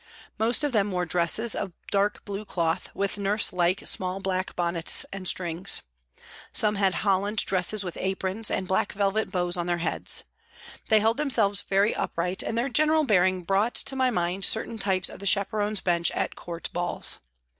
Most of them wore dresses of dark blue cloth with nurse like, small black bonnets and strings. Some had holland dresses with aprons, and black velvet bows on their heads. They held themselves very upright, and their general bearing brought to my mind certain types of the chaperon's bench at Court balls.